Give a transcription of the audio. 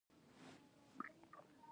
اسلام هر مؤمن ته خپل حق ورکړی دئ.